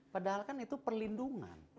padahal kan itu perlindungan